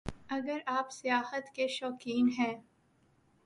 اگر آپ سیاحت کے شوقین ہیں